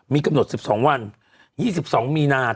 มีกำหนด๑๒วัน๒๒มีธานะย์